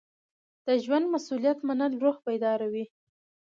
د ژوند مسؤلیت منل روح بیداروي.